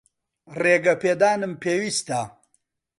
ڕێگەپێدانم پێویستە.